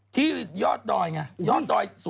ที่ยอดดอยไงยอดดอยสูงสุด